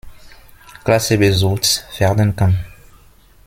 Klasse besucht werden kann.